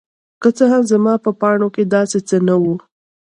که څه هم زما په پاڼو کې داسې څه نه وو.